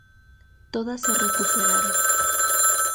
Todas se recuperaron.